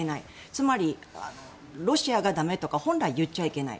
つまり、ロシアが駄目とか本来言っちゃいけない。